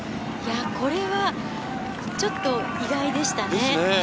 これはちょっと意外でしたね。